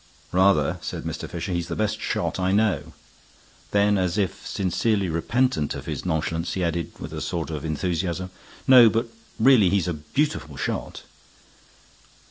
"Rather," said Mr. Fisher. "He's the best shot I know." Then, as if sincerely repentant of his nonchalance, he added, with a sort of enthusiasm: "No, but really, he's a beautiful shot."